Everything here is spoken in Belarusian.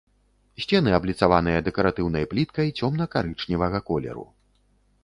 Сцены абліцаваныя дэкаратыўнай пліткай цёмна-карычневага колеру.